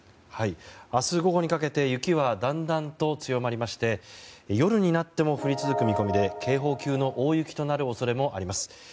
明日午後にかけて雪はだんだんと強まりまして夜になっても降り続く見込みで警報級の大雪となる恐れがあります。